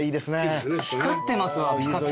光ってますわピカピカ。